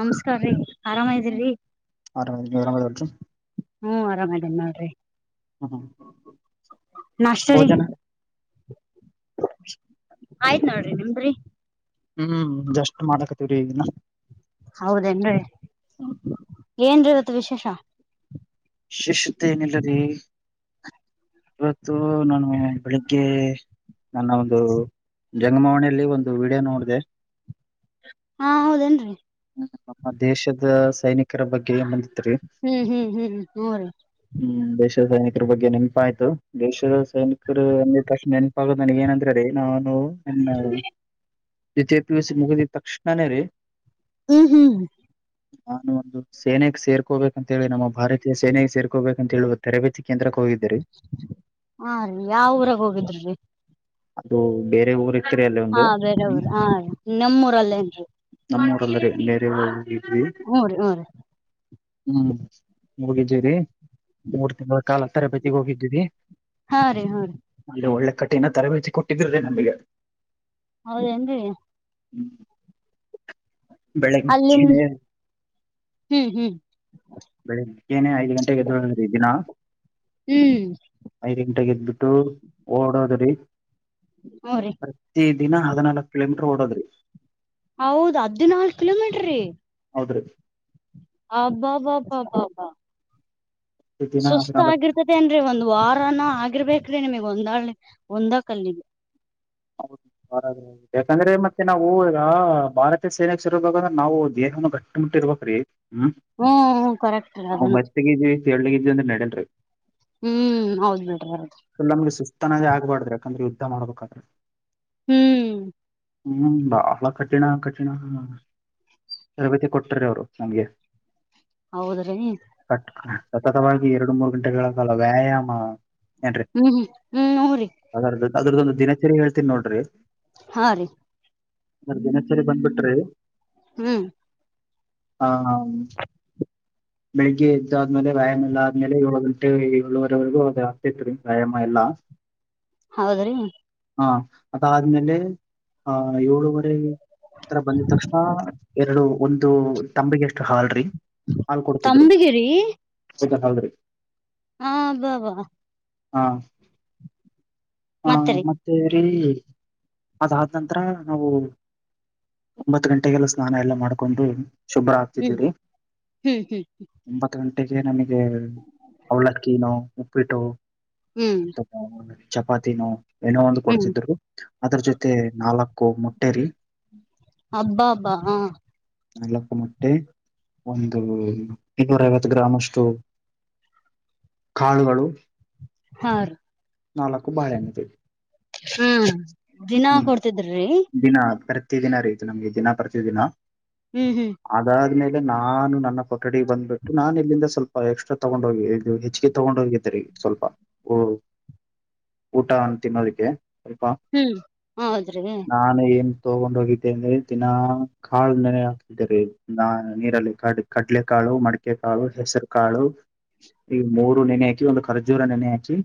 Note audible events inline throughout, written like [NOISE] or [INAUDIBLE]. ನಮಸ್ಕಾರ್ರಿ ಆರಾಮ ನಮ್ ಇದಿರಿ ಆರಾಮಲ್ರಿ ಹ್ಮ್ ಆರಾಮದಿನಿ ನೋಡರಿ ಹ್ಮ ಹಾ ನಾಷ್ಟ ರಿ ಆಯ್ತ್ ನೋಡ್ರಿ ನಿಮ್ಡುರಿ ಹ್ಮ್ ಜಸ್ಟ್ ಮಾಡಕತಿವ್ರೀ ಈಗಿನ ಹೌದೇನ್ರಿ ಏನ್ರೀವತ್ತು ವಿಶೇಷ ವಿಶೇಷತೆ ಏನಿಲ್ಲ ರೀ ಇವತ್ತು ನಾನು ಬೆಳಿಗ್ಗೆ ನನ್ನ ಒಂದು ಜಂಗಮವಾಣಿಯಲ್ಲಿ ಒಂದು ವಿಡಿಯೋ ನೋಡಿದೆ ಹಾ ಹೌದೇನ್ರಿ ನಮ್ಮ ದೇಶದ ಸೈನಿಕರ ಬಗ್ಗೆ ಹ್ಮ್ ಹ್ಮ್ ಹ್ಮ್ ಹ್ಮ್ ಹೋ ರೀ ಹ್ಮ್ ದೇಶದ ಸೈನಿಕರ ಬಗ್ಗೆ ನೆನಪ ಆಯ್ತು ದೇಶದ ಸೈನಿಕರು ಅಂದ ತಕ್ಷಣ ನೆನಪಾಗಗೋ ನನಗ ಏನಂದ್ರೆ ರೀ ನಾನು ಪಿಯುಸಿ ಮುಗಿದಿದ ತಕ್ಷಣನೇ ರೀ ಹ್ಮ್ ಹ್ಮ್ ನಾನು ಒಂದು ಸೇನೆಗೆ ಸೇರ್ಕೋಬೇಕಂತೇಳಿ ನಮ್ಮ ಭಾರತೀಯ ಸೇನೆಗೆ ಸೇರ್ಕೋಬೇಕಂತ ಹೇಳಿ ತರಬೇತಿ ಕೇಂದ್ರಕ್ಕೆ ಹೋಗಿದ್ದೆ ಹಾ ರೀ ಯಾವ ಊರಾಗ ಹೋಗಿದ್ರಿ ರೀ ಅದು ಬೇರೆ ಊರಿಗೆ ಹಾ ಬೇರ ಊರು ಹಾ ನಿಮ್ಮೂರಲ್ಲೇ ಏನ್ರಿ ಬೇರೆ ಊರು ಹೋಗಿದ್ವಿ ಹ್ಞೂ ರೀ ಹ್ಮ್ ಹೋಗಿದ್ವಿ ರೀ ಮೂರು ತಿಂಗಳ ಕಾಲ ತರಬೇತಿಗೆ ಹೋಗಿದ್ದವಿ ರಿ ಹಾ ರೀ ಹ್ಞೂ ರೀ ಅಲ್ಲಿ ಒಳ್ಳೆ ಕಠಿಣ ತರಬೇತಿ ಕೊಟ್ಟಿದ್ರ ರಿ ನಮಗೆ ಹೌದೇನ್ರಿ ಹ್ಮ್ ಅಲ್ಲಿನ್ ಬೆಳಿಗ್ಗೆ ಹ್ಮ್ ಹ್ಮ್ ಬೆಳಿಗ್ಗೆನೆ ಐದ್ ಗಂಟೆಗೆ ಎದ್ದೇಳದು ರೀ ದಿನಾ ಹ್ಮ್ ಐದ್ ಗಂಟೆಗೆ ಎದ್ದು ಓಡೋದ್ರಿ ಹ್ಞೂ ರೀ ದಿನ ಹದಿನಾಲ್ಕಕ್ ಕಿಲೋಮೀಟರ್ ಓಡೋದ್ರಿ ಹೌದ ಹದಿನಾಲ್ಕು ಕಿಲೋಮೀಟ್ರ್ರೀ ಹೌದ್ರಿ ಅಬ್ಬಬ್ಬಾ ಬ ಬ ಪ್ರತಿ ದಿನ ಸುಸ್ತ ಹದಿನಾಲ್ಕು ಆಗಿರ್ತದೆ ಅನ್ ರಿ ಒಂದ್ ವಾರನ ಆ ರ್ಬೇಕ್ರಿ ನಿಮಗ್ ಒಂದಾ ಒಂದ ಕಲ್ಲಿಗೆ ಯಾಕಂದ್ರೆ ಮತ್ತೆ ನಾವು ಈಗ ಭಾರತೀಯ ಸೇನೆ ಸೆರಬೇಕಂದ್ರೆ ನಾವು ದೇಹವನ್ನು ಗಟ್ಟಿಮುಟ್ಟ ಹ್ಮ್ ಕರೆಕ್ಟ್ ರೀ ಹ್ಮ್ ಅದನು ಮೆತಗೇ ಇದ್ವಿ ತಳ್ಳುಗೆ ಇದ್ವಿ ಅಂದ್ರೆ ನಡಿಯಲ್ರಿ ಹ್ಮ್ ಹೌದ್ ಬಿಡ್ರಿ ಹೌದು ಎಲ್ಲ ನಮ್ಗೆ ಸುಸ್ತ ಆನ್ನದು ಆಗ್ಬಾರಡ್ದ್ರ ಯಾಕಂದ್ರೆ ಯುದ್ಧ ಮಾಡ್ಬೇಕಾದ್ರೆ ಹ್ಮ್ ಹ್ಮ್ ಬಹಳ ಕಠಿಣ ಕಠಿಣ ತರಬೇತಿ ಕೊಟ್ಟಾರ ಅವರು ನಮ್ಗೆ ಹೌದ್ರೀ ಕಟ್ ಸತತವಾಗಿ ಎರಡು ಮೂರು ಗಂಟೆಗಳ ಕಾಲ ವ್ಯಾಯಾಮ ಏನ್ರೀ ಹ್ಮ್ ಹ್ಮ್ ಹ್ಮ್ ಹ್ರೀ ಅದರದ್ದ ಅದರದ್ದೊಂದು ದಿನಚರಿ ಹೇಳ್ತೀನಿ ನೋಡ್ರಿ ಹಾ ರೀ ಆ ದಿನಚರಿ ಬಂದ್ಬಿಟ್ರಿ ಹ್ಮ್ ಹಾ ಹಾ ಬೆಳಿಗ್ಗೆ ಎದ್ದಾದ್ಮೇಲೆ ವ್ಯಾಯಾಮ ಏಲ್ಲ ಆದ್ಮೇಲೆ ಏಳು ಗಂಟೆ ಏಳುವರೆವರೆಗೂ ಅದ ಆಗ್ತಿತ್ ರೀ ವ್ಯಾಯಾಮ ಎಲ್ಲ ಹೌದ್ರಿ ಹ ಅದಾದ್ಮೇಲೆ ಆ ಏಳ ಆತ್ರರ ಬಂದಿದ ತಕ್ಷಣ ಎರಡು ಒಂದು ತಂಬಿಗೆ ಅಷ್ಟು ಹಾಲ್್ರರಿ ತಂಬಗಿರಿ ಹಲ್್ರರಿ ಹಾ ಅ ಬಾ ಬಾ ಹಾ ಮತ್ತರಿ ಸರಿ ಅದಾದ ನಂತರ ನಾವು ಒಂಬತ್ತು ಗಂಟೆಗೆಲ್ಲ ಸ್ನಾನ ಎಲ್ಲ ಮಾಡ್ಕೊಂಡು ಶುಭ್ರ ಹ್ಮ್ ಆಗ್ತಿದ್ದೀರಿ ಹ್ಮ್ ಹ್ಮ್ ಒಂಬತ್ತು ಗಂಟೆ ಜಟ್ಟಗೆ ನಮಗೆ ಅವಳಕ್ಕಿನೋ ಉಪ್ಪಿಟ್ಟು ಹ್ಮ್ ಚಪಾತಿನೋ ಏನೋ ಒಂದು ಹ್ಮ್ ಕೊಡ್ತಿದ್ರು ಅದ್ರ ಜೊತೆ ನಾಲ್ಕು ಮೊಟ್ಟೆರಿ ಅಬ್ಬಾ ಅಬ್ಬಾ ಹ ನಾಲ್ಕು ಮಟ್ಟೆ ಒಂದು ಇನೂರ ಐವತ್ತು ಗ್ರಾಮ್ ಅಷ್ಟು ಕಾಳುಗಳು ಹಾ ರೀ ನಾಲ್ಕು ಬಾಳೆೆಯನ್ನಿದೆ ಹ್ಮ ದಿನಾ ಕೊಡ್ತಿದ್ರಿ ಪ್ರತಿ ದಿನ ರೀತು ನಮ್ಗೆ ದಿನ ಪ್ರತಿಿದಿನ ಹ್ಮ್ ಹ್ಮ್ ಅದಾದ್ಮೇಲೆ ಇ ನಾನು ನನ್ನ ಕೊಠಡಿಗೆ ಬಂದ್ಬಿಟ್ಟು ನಾನ್ ಇಲ್ಲಿಂದ ಸ್ವಲ್ಪ ಎಕ್ಸ್ಟ್ರಾ ತಗೊಂಡ್ ಹೋಗಿ ಇದು ಹೆಚ್ಚಿಗೆ ತಗೊಂಡ ಹೋಗಿದ್ದರಿ ಸ್ವಲ್ಪ ಊಟ ಅಂತ ತಿನ್ನೋದಕ್ಕೆ ಸ್ವಲ್ಪ ಹ್ಮ್ ಹೌದ್ರಿ ನ್ ತಗೊಂಡ್ ಹೋಗಿದ್ದೆ ಅಂದ್ರೆ ದಿನ ಕಾಳ ನ ಹಾಕ್ತಿದ್ದಾರೆ ನೀರಲ್ಲಿ ಕ ಕ ಕಲೆಕಾಳು ಮಡಿಕೆ ಕಾಳು ಹೆಸರು ಕಾಳು ಈಗ ಮೂರು ನೆನೆ ಹಾಕಿ ಒಂದು ಖರ್ಜೂರ ನೆನೆ ಹಾಕಿ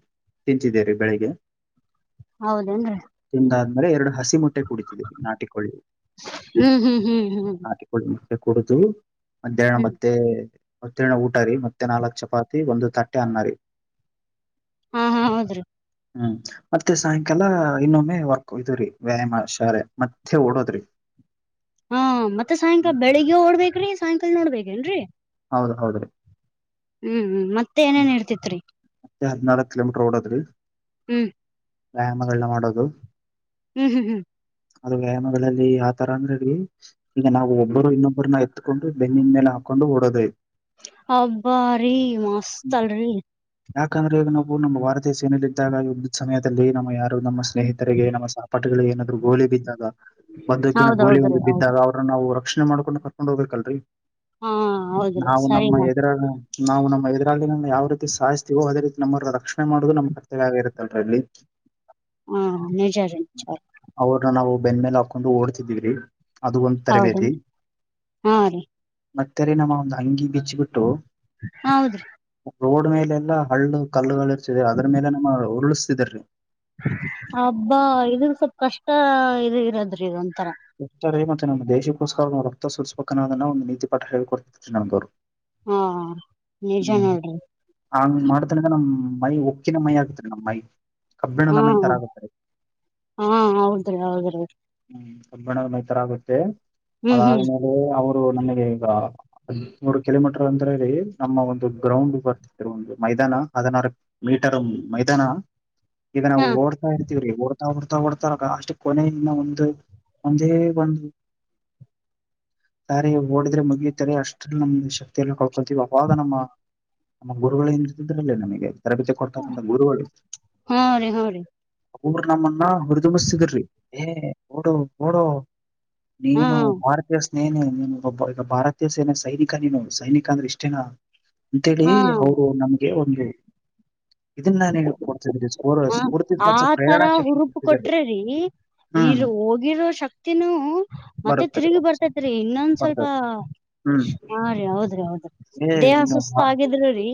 ತಿಂತಿದ್ದೇರಿ ಬೆಳಿಗ್ಗೆ ಹೌದೇನ್ರಿ ತಿಂದಾದ್ಮೇಲೆ ಎರಡು ಹಸ ಿ ಮೊಟ್ಟೆ ಕುಡಿತಿದೀ ನಾಟಿಕೊಳ್ಳಿ ಹ್ಮ್ ಹ್ಮ್ ಹ್ಮ್ ಹ್ಮ್ ನಾಟಿಕೊಳ್ಳಿ ಮೊಟ್ಟೆ ಕುಡಿದು ಮಧ್ಯಾಹ್ನ ಹ್ಮ್ ಮತ್ತೆ ಮತ್ತಣ ಊಟರಿ ಮತ್ತೆ ನಾಲ್ಕು ಚಪಾತಿ ಒಂದು ತಟ್ಟೆ ಅನ್ನರಿ ಹಾ ಹಾ ಹೌದ್ರಿ ಹ್ಮ್ ಮತ್ತೆ ಸಾಯಂಕಾಲ ಇನ್ನೊಮ್ಮೆ ವರ್ಕ್ ಇದ್ರೀ ವ್ಯಾಯಾಮ ಶಾರೆ ಮತ್ತೆ ಓಡೋದ್ರಿ ಹಾ ಮತ್ತೆ ಸಾಯಂಕಾಲ ಬೆಳಿಗ್ಗೆ ಓಡ್ಬೇಕೇ್ರೀ ಸಾಯಂಕಾಲ ನೋಡ್ಬೇಕೇೇನ್ರರಿ ಹೌದ ಹೌದ್ರೀ ಹ್ಮ್ ಮತ್ತೆ ಏನೇನ್ ಇರ್ತಿತ್ರಿ ಹದಿನಾಲ್ಕ ಕಲೋಮೀಟರ್ ಓಡದೀ ಹ್ಮ್ ವ್ಯಾಯಾಮಗಳನ್ನ ಮಾಡೋದು ಹ್ಮ್ ಹ್ಮ್ ಹ್ಮ್ ಅದು ವ್ಯಾಯಾಮಗಳಲ್ಲಿ ಆ ತರ ಅಂದ್ರೆ ಈಗ ನಾವು ಒಬ್ಬರು ಇನ್ನೊಬ್ಬರನ್ನ ಎತ್ಕೊಂಡು ಬೆನ್ನಿನ ಮೇಲೆ ೊಂಡುಬೂಡದೆೇ ಹಬ್ಬಾ ರೀ ಮಸ್ತ ಅಲ್ರಿ ಯಾಕಂದ್ರೆ ಈಗ ನಾವು ನಮ್ಮ ಭಾರತೀಯ ಸೇನಲ್ಲ ಇದಿದ್ದಾಗ ವುದ್ಯತ್ ಸಮಯದಲ್ಲಿ ನಮ್ಮ ಯಾರು ನಮ್ಮ ಸ್ನೇಹಿತರಿಗೆ ನಮ್ಮ ಪಟಗಳಿಗೆ ಏನಾದ್ರೂ ಗೋಲಿ ಬಿದ್ದಾಗ ಬದುಕಿನ ಗೋಲಿ ಹೌದೌದ್ರೀ ಒಂದು ಹೌದು ಬಿದ್ದಾಗ ಅವ್ರನ್ನ ನಾವ್ ರಕ್ಷ ಮಾಡಕೊಂಡು ಕರ್ಕೊಂಡ್ ಹೋಗ್ಬೇಕಲ್ರರಿ ಹಾ ಹೌದ್ರಿ ನಾವು ಸರಿ ನಮ್ಮ ಮ ಹೆದರ ನಾವು ನಮ್ಮ ಇದರಲ್ಲಿ ನ ಯಾವ ರೀತಿ ಸಾಯ್ತೀವೋ ಅದೇ ರೀತಿ ನಮ್ಮ ರಕ್ಷಣ ಮಾಡುದು ನಮ್ ಕರ್ತವ್ಯ ಆಗಿರುತ್ತ ಅಲ್ರಿ ಇಲ್ಲಿ ಹಾ ನಿಜರ್ ಚರ್ ಬೆಂದ ಮೇಲೆ ಹಾಕೊಂಡು ಓಡ್ತಿದೀವ್ರಿ ಅದು ಒಂದ್ ತರಬೇತಿ ಹೌದನ್ ಹಾ ರೀ ಮತ್ತರೆ ನಮ್ಮ ಒಂದು್ ಅಂಗಿ ಬಿಚ್ಚಬಿಟ್ಟು ಹೌದ್ರಿ ೋಡ್ ಮೇಲೆ ಎಲ್ಲಾ ಹಳ್ಳು ಕಲ್ಲುಗಳು ಇರ್ಚ ಅದ್ರ ಮೇಲೆ ನಮ್ಮ ಉರುಳಿಸ್ತಿದ್ರೀ ಹಬ್ಬಾ ಇದನ್ ಸ್ವಲ್ಪ ಕಷ್ಟ ಇ ಇರದ್ರಿ ಮತ್ತು ನಮ್ಮ ದೇಶಕ್ಕೋಸ್ಕರವನ್ನುವು ರಕ್ತ ಸೂರಿಸುವ ಕನ್ನದನ್ನ ಒಂದು ನೀತಿಪಾಠ ಹೇಳಿಕೊಡ್ತಿದ್ದಾರೆ ನಮಗವರು. ಹಾ ನಿಜ ಹ್ಮ್ ನೋಡ್ರಿ ಹಂಗ ಮಾಡ್ತನ್ರ ನಮ್ ಮೈ ಉಕ್ಕಿನ ಮೈ ಆಗತ್ರಿ ನಮ್ ಮೈ ಕಬ್ಬಿಣದ ಹ ಮೈ ತರ ಆಗತ್ರಿ ಹ ಹೌದ್ರಿ ಹೌದ್ರಿ ಣ ಮೈತರ ಆಗುತ್ತೆ ಹ್ಮ್ ಹ್ಮ್ ಅದಾದ್ಮೇಲೆ ಅವರ್ ರು ನಮ್ಗೆ ಈಗ ಹದಿಮೂರ್ ಕಿಲೋಮೀಟರ್ ಅಂದ್ರಲ್ಲಿ ನಮ್ಮ ಒಂದು ಗ್ರೌಂಡ್ ಬರ್ತ ಒಂದು ಮೈ ಮೈದಾನ ಹದಿನಾರು ಮೀಟರು ಮೈದಾನ ಇದ ನಾ ಹಾ ಓಡ್ತಾ ಇರ್ತೀವ್ರಿ ಓಡ್ತಾ ಓಡ್ತಾ ಓಡ್ತ ಅಷ್ಟು ಕೊನೆೆಯ ಇನ ಒ ದ್ ಒಂದೇ ಒಂದು ಸರಿ ಓಡಿದ್ರೆ ಮುಗಿಯುತ್ತಾರೆ ಅಷ್ಟಲ್ಲಿ ನಮ್ದ ಶಕ್ತಿಯ ಎಲ್ಲ ಕಳ್ಕೊಳ್ತೀವಿ ಅವಾಗ ನಮ್ಮ ನಮ್ಮ ಗುರುಗಳನತಿದ್ರಲ್ಲೇ ನಮಿಗೆ ತರಬೇತಿ ಕೊಡ್ತಕ್ಕಂಥ ಗುರುಗಳು [UNINTELLIGIBLE] ಹಾ ರೀ ಹಾ ರೀ ಅವ್ರು ನಮ್ಮನ್ನ ಉರಿದುಂಬುಸ್ತಿರುರಿ ಏ ಓಡು ಓಡೋ ಹಾ ನೀನು ಮಾರ್ತಿಷ್ಟ ನೇನೆ ನೀನು ಒಬ್ಬ ಈಗ ಭಾರತೀಯ ಸೇನೆ ಸೈನಿಕ ನೀನು ಸೈನಿಕ ಅಂದ್ರೆ ಇಷ್ಟೇನ ಅಂತೇಳಿ ಹಾ ಅವರು ನಮ್ಗೆ ಒಂದು [UNINTELLIGIBLE] ಇದನ್ನ ನಿನಗ ಕೊ ಸ್ಪೊ ಹ ಸ್ಫೂರ್ತಿ ಮತ್ತು ಆತರ ಪ್ರೇರಣಾ ಶಕ್ತಿ ಹುರುಪು ಕೊತರಿ [UNINTELLIGIBLE] ಹ್ಮ್ ಆಗಿರೋ ಶಕ್ತಿನೂ ಮತ್ತೆ ಬರುತ್ತಾರೆ ತಿರುಗಿ ಬರ್ತೈತ್ರಿ ಇನ್ನೊಂದ್ ಸ್ವಲ್ಪ ಬರ್ತದೆ ಹ್ಮ್ ಹ ರೀ ಹೌದ್ರಿ ಹೌದ್ರಿ ಏ ದೇಹ ನೀನು ಸುಸ್ತ ಹಾ ಆಗಿದ್ರರಿ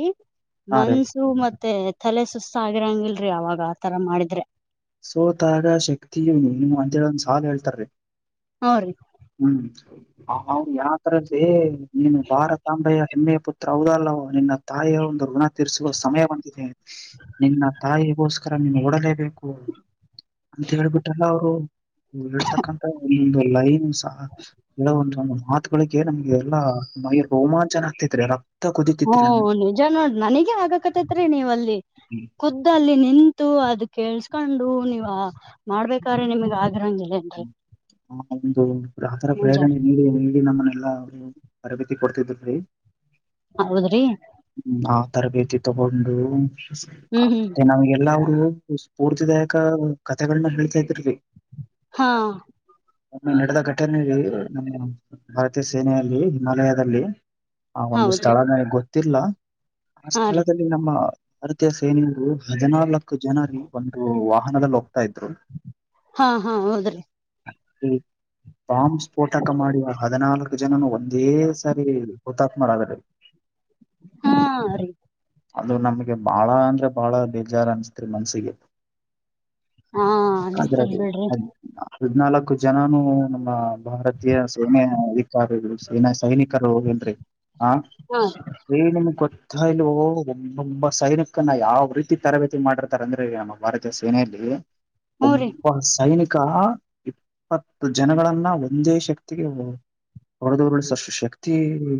ರೀ ಮನ್ಸು ಮ ಮತ್ತೆ ತಲೆ ಸುಸ್ತ ಆಗಿರಂಗಿಲ್ರರಿ ಅವಗ ಆತರ ಮಾಡಿದ್ರೆ. ಸೋತಾಗ ಶಕ್ತಿ ನೀ ನೀ ಅಂತೇಳ ಒಂದ್ ಸಾಲ ಹೇಳ್ತಾರೀ. ಹಾ ರೀ [UNINTELLIGIBLE] ಹ್ಮ್ ಅವ್ರು ಯತರ್ದೇ ನೀನು ಭಾರತಾಂಬೆಯ ಹೆಮ್ಮೆಯ ಪುತ್ರ ಹೌದಲ್ಲವ ನಿನ್ನ ತಾಯಿಯ ಒಂದು ಋಣ ತಿರಿಸುವ ಸಮಯ ಬಂದಿದೆ ನಿನ್ನ ತಾಯಿಗೋಸ್ಕರ ನೀನು ಓಡಲೇಬೇಕು ಅಂತ ಹೇಳ್ಬಿಟ್ಟಲ್ಲ ಅವರು ನೀ ಹೇಳ್ತಕ್ಕಂತ ಒಂದೊಂದು ಲೈನ್ ಸಹ ಹೇಳ ಒಂದೊಂದು ಮಾತುಗಳಿಗೆ ನಮ್ಗೆ ಎಲ್ಲಾ ಮೈ ರೋಮಾಂಚನ ಆಗ್ತೈತ್ರಿ ಎಲ ಹ್ಮ ನಿಜ ನೋಡ ನನಿಗೆ ಆಗಕತೈತ್ರಿ ನೀವ್ ಅಲ್ಲಿ ಕುದ್ದಲ್ಲಿ ನಿಂತು ಅದ ಕೇಳ್ಸ್ ಕಂಡು ನೀವ ಮಾಡ್ಬೇಕ್ರೆ ನಿಮಗ್ ಆಗರಂಗಿಲ್ಲೇಏನ್ರಿ ಆ ಒಂದು ಆಥರ ಪ್ರೇರಣೆ ನೀಡಿ ನೀಡಿ ನಮ್ಮನ್ನೆಲ್ಲರು ತರಬೇತಿ ಕೊಡ್ತಿದ್ರುರಿ ಹೌದ್ರಿ ಆ ತರಬೇತಿ ತಗೊಂಡು ಹ್ಮ್ ಹ್ಮ್ ಮತ್ತೆ ನಮಗೆಲ್ಲ ಅವರು ಸ್ಫೂರ್ತಿದಾಯಕ ಕಥೆಗಳನ್ನ ಹೇಳ್ತಾ ಇದ್ರಿ ಹ ನ ನಡೆದ ಘಟನೆ ನ ಭಾರತೀಯ ಸೇನೆಯಲ್ಲಿ ಹಿಮಾಲಯದಲ್ಲಿ ಆ ಒಂದು ಹೌದ್ರಿ ಸ್ಥಳ ನನಗ್ ಗೊತ್ತಿಲ್ಲ ಆ ಹಾ ರೀ ಸ್ಥಳದಲ್ಲಿ ನಮ್ಮ ಅರ್ತಾಸ ಏನಂದು ಹದಿನಾಲ್ಕು ಜನರಿಗೆ ಒಂದು ವಾಹನದಲ್ಲಿ ಹೋ ಹ ಹ ಹೌದ್ರಿ ಹ್ಮ ಬಾಂಬ್ ಸ್ಫೋಟಕ ಮಾಡಿ ಹದಿನಾಲ್ಕು ಜನನು ಒಂದೇ ಸಾರಿ ಹುತಾತ್ಮರಾದ್ರ್ರಿ. [UNINTELLIGIBLE] ಹಾ ರೀ. ಅದು ನಮ್ಗೆ ಬಾಳ ಅಂದ್ರೆ ಬಾಳ ಬೇಜಾರ್ು ಅನ್ಸ್ತ್ರಿ ಮನ್ಸಿಗೆ ಹಾ ಅನ್ಸ್ತದ್ ಬಿಡ್ರಿ ಅದ್ ಹದ್ನಾಲ್ಕು ಜನನುೂ ನಮ್ಮ ಭಾರತೀಯ ಸೇನೆ ಅಧಿಕಾರಿಗಳು ಸೇನಾ ಸೈನಿಕರು ನ್ರೀ ಹ ಹಾ ರಿ ನಿಮಗ ಗೊ ಕಲು ಒಬ್ಬೊಬ್ಬ ಸೈನಿಕನ್ನ ಯಾವ ರೀತಿ ತರಬೇತಿ ಮಾಡಿರ್ತಾರ ಅಂದ್ರೆ ನಮ್ಮ ಭಾರತೀಯ ಸೇನೆಯಲ್ಲಿ ಹ್ಮ ರೀ ಒಬ್ಬಸ್ ಸೈನಿಕ ಇಪ್ಪತ್ತು ಜನಗಳನ್ನ ಒಂದೇ ಶಕ್ತಿಗೆ ಒ ಅವರದವರುಳ ಸಷ್ಟು ಶಕ್ತಿ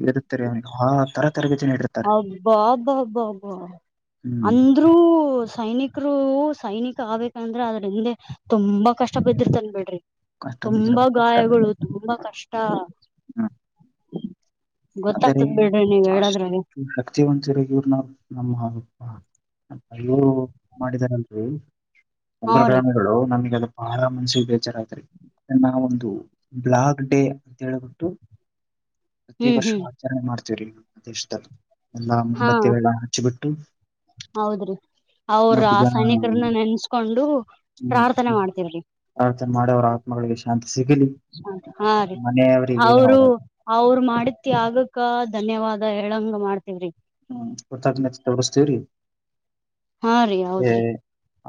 ಇರುತ್ತೆರಿ ಅವನಿಗೆ ಆತರ ಹಬ್ಬಾ ಹಬ್ಬ ಹಬ್ಬ ಅಬ್ಬ. ಹ್ಮ್ ಅಂದ್ರೂ ಸೈನಿಕರು ಸೈನಿಕ ಆೇ ಯಾಂದ್ರೆ ಅದ್ರ ಹಿಂದೆ ತುಂಬಾ ಕಷ್ಟ ಬಿದ್ದಿರ್ತನ್ ಬಿಡ್ರಿ. ಕಷ್ಟೊಂದು ಇದ್ರ ತುಂಬಾ ಗಾಯಗಳು ತುಂಬಾ ಕಷ್ಟ. ಹಾ. ಗೊತ್ತಾಗ್ತದ ಬಿಡ್ರಿ ನೀವ್ ಹೇಳಿದ್ರೆ. ಶಕ್ತಿ ಒಂಂತರಗವ್ರನ್ನ ನಮ್ಮ. ಅಯೂ ಮಾಡಿದಾರಲ್ರಿ ಹಾ ಉಂಗ್ರ ರೀ ಗಾಮಿಗಳು ನಮಗೆ ಅದು ಬಹಳ, ಮನ್ಸಿಗೆ ಬೇಜಾರಾದ್ರರಿ ನಾವ ಒಂದು ಬ್ಲಾಗ್ ಡೇ ಅಂತ ಹೇಬಿಟ್ಟು, [INAUDIBLE] ಪ್ರತಿ ವರ್ಷ ಹ್ಮ್ ಆಚರಣೆ ಮಾಡ್ತೀವ್ರಿ ನಮ್ಮ ದೇಶದಲ್ಲಿ ಎಲ್ಲಾ ಹಾ ಮುಂಬತ್ತಿ ವೇಳ ಹಚಿಬಿಟ್ಟು ಹೌದ್ರಿ. ಅವರು ಆ ಜನ ಸೈನಿಕರನ್ನ ನೆನ್ಸ್ಕೊಂಡು ಪ್ರಾರ್ಥನೆ ಮಾಡ್ತವ್ರಿ. ಮಾಡಿ ಅವ್ರ ಆತ್ಮಗಳಿಗೆ ಶಾಂತಿ. ಸಿಗಲಿ ಅ ಹಾ ರೀ ಮನೆಯವರಿಗೆ ಅವರು ಅವರ ಅವರು ಮಾಡ, ಅಡ್ತಿ ಆಗಕ್ಕ ಧನ್ಯವಾದ ಹೇಳಂಗ ಮಾಡ್ತವ್ರಿ. ಹ್ಮ್ ಕೊತ ತೊಗಸ್ತೀವ್ರೀ. ಹಾ ರೀ ಅ ಹೌದ್ರಿ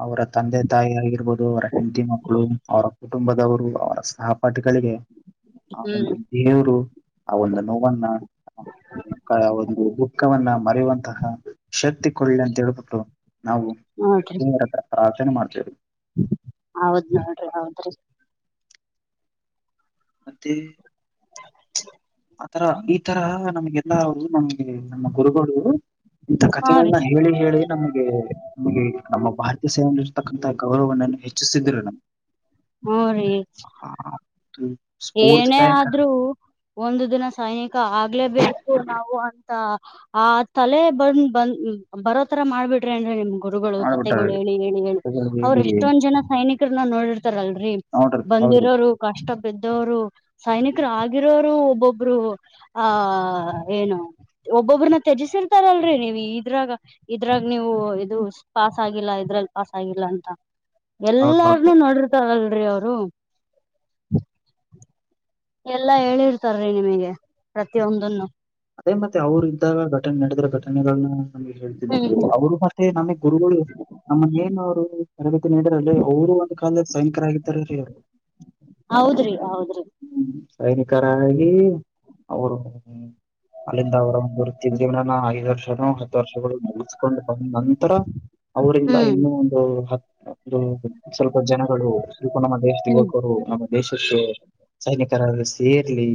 ಅವರ ತಂದೆ ತಾಯಿ ಆಗಿರ್ಬೋದು ಅವರ ಹೆಂಡದಿ ಮಕ್ಕಳು ಅವ, ಕುಟುಂಬದವರು ಅವರ ಸಹಪಾಠಿಗಳಿಗೆ ಆ ಹ್ಮ್ ಒಂದು ದೇವರು ಆ ಒಂದು ನೋವನ್ನ ಒಂದು ದುಃಖವನ್ನ ಮರೆಯುವಂತಹ ಶಕ್ತಿ ಕೊಳ್ಳಿ ಅಂತ ಹೇಳ್ಬಿಟ್ಟು ನಾವು ನೋಡ್ರಿ ಪ್ರಾರ್ಚನೆ ಮಾಡ್ತೇವೆ. ಹೌದ್ ನೋಡ್ರಿ ಹೌದ್ರಿ. ಮತ್ತೆ. ಆತರ ಈ ತರ ನಮ್ಗೆಲ್ಲರು ನಮ್ಗೆ ನಮ್ಮ ಗುರುಗಳು ಇಂತ ಹಾ ರೀ ಕಥೆಗಳನ್ನ ಹೇಳಿ ಹೇಳಿ ನಮಗೆ ನಮಗೆ ನಮ್ಮ ಭ ವ ಸೇ ಇರತಕ್ಕಂತಹ ಗೌರವ ಹೆಚ್ಚಿಸಿದ್ರ ನಮ್ ಹೋರಿ ಒಂದು ಏನೇ ಸ್ಫೂರ್ತಿದಾಯಕ ಆದ್ರೂ ಒಂದು ದಿನ ಸೈನಿಕ ಆಗ್ಲೇಬೇಕು ನಾವು. ಆ ತಲೆ ಬಂದ ಬಂದ್ ಬರೋತರ ಮಾಡ್ಬಿಟ್ರಿ ಏನ್ ನಿಮ್. ಗುರುಗಳು ಕತೆೆಗಳು ಮಾಡ್ಬಿಟ್ಟಾರೆ ಹೇಳಿ ಹೇಳಿ ಹೇಳಿ ಕಥೆಗಳು ಅವ್ರರು ಹೇಳಿ ಎಷ್ಟೊಂದ್ ಜನ ಸೈನಿಕರ ನ ನೋಡಿರ್ ಇತಾರಲ್ರರಿ ನೋಡ್ರಿ ಹೌದ್ರಿ ಬಂದಿರೋರು ಕಷ್ಟ ಬಿದ್ದವರು ಸೈನಿಕರು ಆಗಿರೋರು ಒಬ್ ಒಬ್ಬೊಬ್ರು ಆ ಏನು ಒಬ್ಬೊಬ್ಬ್ರನ್ನ ತ್ಯಜಿಸಿರ್ತಾರಲ್ರಿ ನೀವು್ ಇದ್ರಾಗ ಇದ್ರಾಗ ನೀವು ಇದು ಪಾಸ್ ಆಗಿಲ್ಲ ಇದ್ರಲ್ಲಿ ಪಾಸ್ ಆಗಿಲ್ಲ ಅಂತ. ಹೌದ್ ಹೌದ್ರಿ ಎಲ್ಲಾರ್ನುೂ ನೋಡಿರ್ತಾರಲ್ರಿ ಅವರು. ಎಲ್ಲಾ ಹೇಳಿರ್ತಾರಿ ನಿಮಗೆ ಪ್ರತಿಯೊಂದನ್ನು. ಅದೇ ಮತ್ತೆ ಅವ್ರು ಇದ್ದಾಗ ಘಟನೆ ನಡೆದ್ರೆ ಘಟನೆಗಳನ್ನ ನ ಹೇಳ್ತಿದ್ರೀ ಅವ್ರು ಮತ್ತೆ ನಮಗೆಗ್ ಗುರುಗಳು ನಮ್ಮನ್ ಏನ್ ಅವರು ತರಬೇತಿ ನೀಡರಲ್ಲಿ ಅವರು ಒಂದ್ ಕಾಲದಲ್ಲಿ ಸೈನಿಕರಾಗಿದವರು. ಹೌದ್ರಿ ಹೌದ್ರಿ. ಸೈನಿಕರಾಗಿ ಅವರು ಅಲ್ಲಿಂದ ಅವ್ರರೊರು ತಿಿಂದಿವವ ನಾನ ಐ ವರ್ಷ. ಹತ್ತು ವರ್ಷಗಳು ಮುಗಿಸಕೊಂಡು ಬಂದ ನಂತರ ಅವರಿಂದ ಹ್ಮ್ ಇನ್ನೂ ಒಂದು ಹತ್ತು ಇ ಸ್ವಲ್ಪ ಜನಗಳು ಸ್ವಲ್ಪ ನಮ್ಮ ದೇಶ ತ ಹ್ಮ್ ಹರು ನಮ್ಮ ದೇಶ ಸೈನಿಕರಾದ ಸೇರ್ಲಿ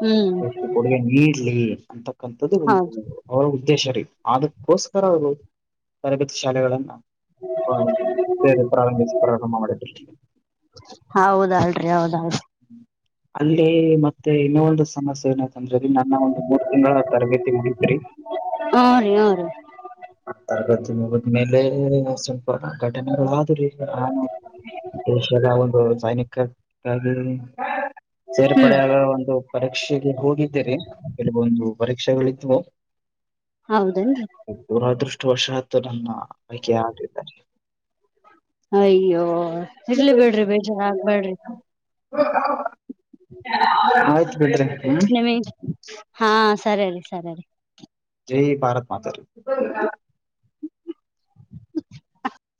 ಹ್ಮ್ ಅವ ನೀಡ್ಲಿ ಅಂತಕ್ಕಂಥದ್ದು ಒಂದು ಹೌದ್ ಅವರ ಉದ್ದೇಶ ರೀ ಅದಕ್ಕೋಸ್ಕರ ಅದು ತರಬೇತಿ ಶಾಲೆಗಳನ್ನ ಹೌ ಸರಿ ಪ್ರಾರಂಭ ಪ್ರಾರಂಭ ಮಾಡಿ ಹೌದೇಲ್ರಿ ಹೌದೇಲ್ರಿ. ಅಲ್ಲಿ ಮತ್ತೆ ಇನ್ನೊಂದು ಸಮಸ್ಯೆ ಏನ ನನ್ನ ಒಂದು ಮೂರ್ ತಿಂಗಳ ತರಬೇತಿ ಮುಗಿತ್ರಿ. ಹ್ಞ ರೀ ಹ್ಞ ರೀ ತರಗತಿ ಮುಗಿದ ಮೇಲೆ ಸ್ವಲ್ಪ ಘಟನೆಗಳು ಆದ್ರೀ ಈಗ ನಾನ್ ಒಂದು ಸೈನಿಕ [UNINTELLIGIBLE] ಸೇರ್ಪಡ ಹ್ಮ್ ಆಗುವ ಒಂದು ಪರೀಕ್ಷೆಗೆ ಹೋಗಿದ್ದೇರಿ ಕೆಲವೊಂದು ಪರೀಕ್ಷೆಗಳ [INAUDIBLE] ಹೌದೇನ್ರಿ ಅದೃಷ್ಟ ವಶಾತ್ ನನ್ನ ಆಯ್ಕೆ ಆಗಲಿಲ್ಲ ರಿ. ಅಯ್ಯೋ ಇರ್ಲಿ ಬಿಡ್ರಿ ಬೇಜಾರ ಆಗ್ಬೇಡ್ರಿ. ಆಯ್ತು ಬಿಡ್ರಿ ಹ್ಮ್ [INAUDIBLE] ನಿಮ ಹಾ ಸರಿ ರೀ ಸರಿ. ಜೈ ಭಾರತ್ ಮಾತ ರೀ.